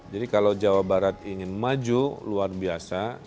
jadi kalau jawa barat ingin maju luar biasa